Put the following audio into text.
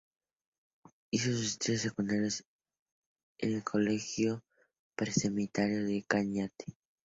Hizo sus estudios secundarios en el Colegio Pre-Seminario de Cañete.